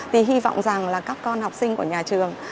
thì hy vọng rằng là các con học sinh của nhà trường